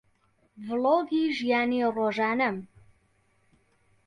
ڤڵۆگی ژیانی ڕۆژانەم